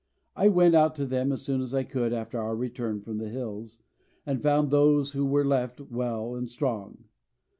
I went out to them as soon as I could after our return from the hills, and found those who were left well and strong.